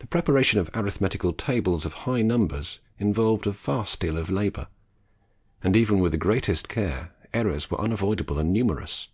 The preparation of arithmetical tables of high numbers involved a vast deal of labour, and even with the greatest care errors were unavoidable and numerous.